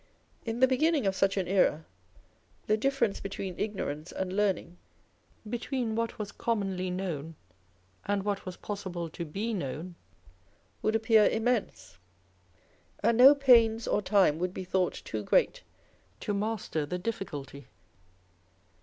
In the beginning of such an era, the difference between ignorance and learning, between what was commonly known and what was possible to be known, would appear immense ; and no pains or time would be thought too great to master the difficulty.